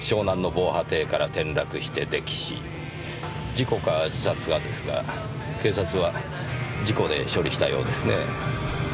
事故か自殺かですが警察は事故で処理したようですねぇ。